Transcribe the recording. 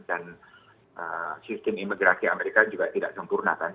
dan sistem imigrasi amerika juga tidak sempurna kan